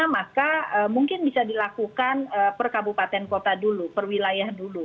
maka mungkin bisa dilakukan per kabupaten kota dulu per wilayah dulu